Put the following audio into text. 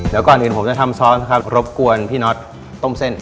เดี๋ยวก่อนอื่นผมจะทำซอสนะครับรบกวนพี่น็อตต้มเส้น